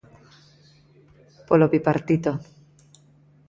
Polo Bipartito.